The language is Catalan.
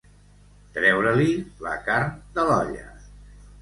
Treure-li la carn de l'olla.